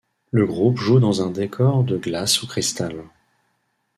Le groupe joue dans un décors de glace ou cristal.